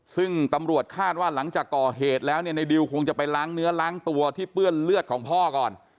ซึ่งตำรวจคาดว่าหลังจากก่อเหตุแล้วเนี่ยในดิวคงจะไปล้างเนื้อล้างตัวที่เปื้อนเลือดของพ่อก่อน